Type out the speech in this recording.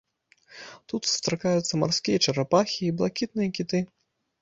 Тут сустракаюцца марскія чарапахі і блакітныя кіты.